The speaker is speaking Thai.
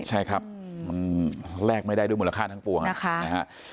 ใช่ครับมันแลกไม่ได้ด้วยมูลค่าทั้งปวงนะฮะ